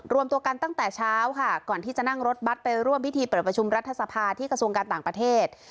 รวมตัวกันตั้งแต่เช้าค่ะก่อนที่จะนั่งรถบัตรไปร่วมพิธีเปิดประชุมรัฐสภาที่กระทรวงการต่างประเทศ